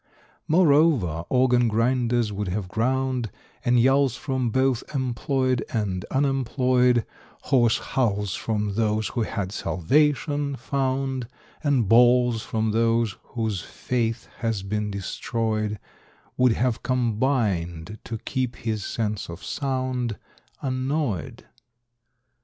= Moreover, organ grinders would have ground, And yowls from both "employed" and "unemployed"; Hoarse howls from those who had "salvation" found, And bawls from those whose faith had been destroyed, Would have combined to keep his sense of sound Annoyed.